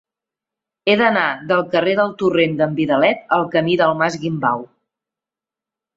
He d'anar del carrer del Torrent d'en Vidalet al camí del Mas Guimbau.